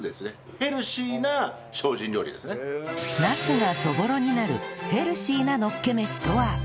ナスがそぼろになるヘルシーなのっけ飯とは？